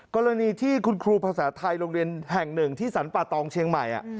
กรณีที่คุณครูภาษาไทยโรงเรียนแห่งหนึ่งที่สรรป่าตองเชียงใหม่